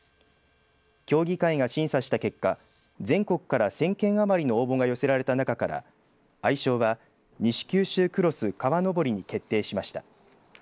協議会が審査した結果全国から１０００件余りの応募が寄せられた中から愛称は、西九州クロス川登に決定しました。